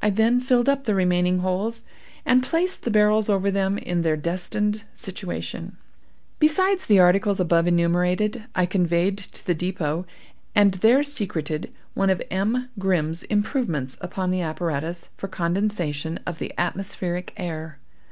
I then filled up the remaining holes, and placed the barrels over them in their destined situation. "Besides the articles above enumerated, I conveyed to the depot, and there secreted, one of M. Grimm's improvements upon the apparatus for condensation of the atmospheric air.